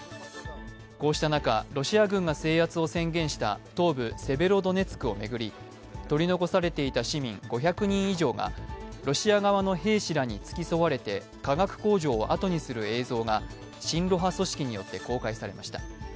こうした中、ロシア軍が制圧を宣言した東部セベロドネツクを巡り、取り残されていた市民５００人以上がロシア側の兵士らに付き添われて化学工場をあとにする映像が親ロ派組織によって公開されました。